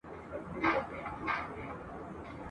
کونړ او خیبر پوري ټولو پښتنو لبیک ویلی دی ..